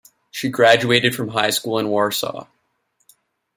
She graduated from a high school in Warsaw.